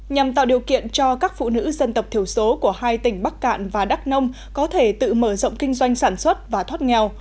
nhằm tạo điều kiện cho các phụ nữ dân tộc thiểu số của hai tỉnh bắc cạn và đắk nông có thể tự mở rộng kinh doanh sản xuất và thoát nghèo